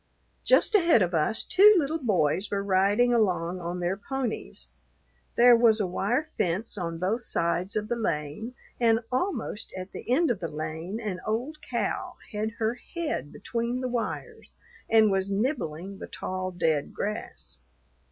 Just ahead of us two little boys were riding along on their ponies. There was a wire fence on both sides of the lane, and almost at the end of the lane an old cow had her head between the wires and was nibbling the tall dead grass.